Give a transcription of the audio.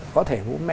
có thể vũ mẹ